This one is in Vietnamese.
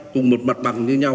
cùng một mặt bằng